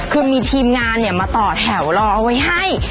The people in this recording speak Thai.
คือมีทีมงานมาต่อแถวรอเอาไว้ให้